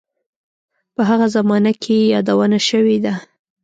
په هغه زمانه کې یې یادونه شوې ده.